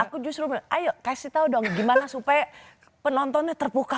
aku justru ayo kasih tau dong gimana supaya penontonnya terbuka